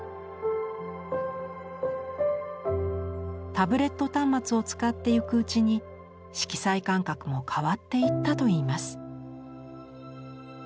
タブレット端末を使ってゆくうちに色彩感覚も変わっていったといいます。